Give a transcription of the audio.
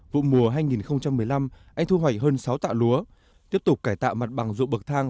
vụ mùa hai nghìn một mươi năm anh thu hoạch hơn sáu tạ lúa tiếp tục cải tạo mặt bằng ruộng bậc thang